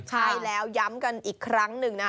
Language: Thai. ใช่แล้วย้ำกันอีกครั้งหนึ่งนะ